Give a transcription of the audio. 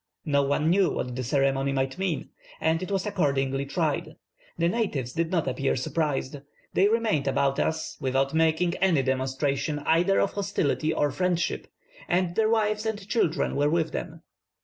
No one knew what the ceremony might mean, and it was accordingly tried. The natives did not appear surprised. They remained about us, without making any demonstration either of hostility or friendship, and their wives and children were with them.